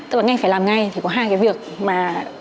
tức là anh phải làm ngay thì có hai cái việc mà